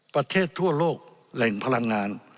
ประเทศทั่วโลกแหล่งพลังงาน